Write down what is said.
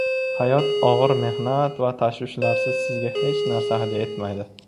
Hayot og‘ir mehnat va tashvishlarsiz sizga hech narsa hadya etmaydi.